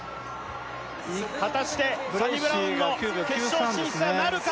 果たしてサニブラウンの決勝進出はなるか？